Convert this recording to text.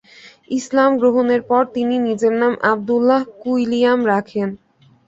ইসলাম গ্রহণের পর তিনি নিজের নাম আবদুল্লাহ কুইলিয়াম রাখেন।